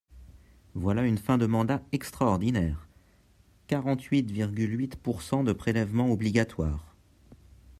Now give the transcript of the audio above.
Voilà une fin de mandat extraordinaire, quarante-huit virgule huit pourcent de prélèvements obligatoires.